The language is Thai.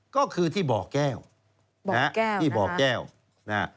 ก็คือที่บ่อกแก้วบ่อกแก้วนะฮะที่บ่อกแก้วนะฮะ